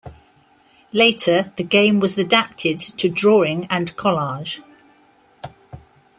Later the game was adapted to drawing and collage.